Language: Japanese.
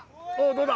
どうだ？